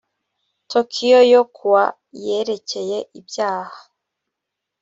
tokyo yo kuwa yerekeye ibyaha